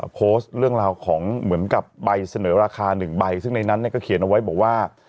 โพสต์เรื่องราวของเหมือนกับใบเสนอราคาหนึ่งใบซึ่งในนั้นก็เขียนเอาไว้บอกว่า